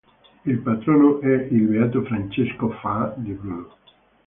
Il patrono è il beato Francesco Faà di Bruno.